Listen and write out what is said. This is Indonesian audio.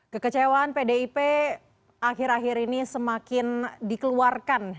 kekecewaan pdip akhir akhir ini semakin dikeluarkan